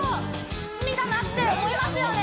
罪だなって思いますよね